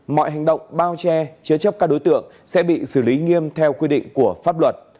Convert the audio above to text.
mọi hành động bao che chứa chấp các đối tượng sẽ bị xử lý nghiêm theo quy định của pháp luật